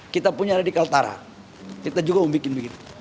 kita punya di kaltara kita juga membuat begini